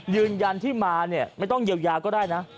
ยืนยันที่มาเนี่ยไม่ต้องเยียวยาก็ได้นะ